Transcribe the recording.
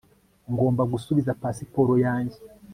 ngomba gusubiza pasiporo yanjye